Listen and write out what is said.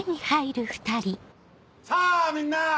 さぁみんな！